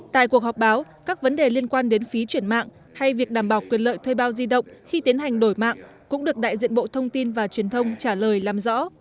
tại cuộc họp báo các vấn đề liên quan đến phí chuyển mạng hay việc đảm bảo quyền lợi thuê bao di động khi tiến hành đổi mạng cũng được đại diện bộ thông tin và truyền thông trả lời làm rõ